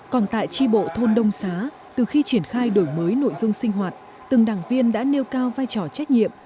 còn tại tri bộ thôn đông xá từ khi triển khai đổi mới nội dung sinh hoạt từng đảng viên đã nêu cao vai trò trách nhiệm